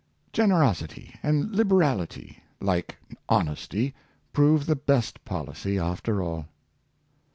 Generosity and liberality, like honesty, prove the best policy after all.